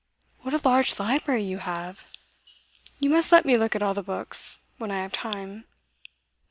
What a large library you have! You must let me look at all the books, when I have time.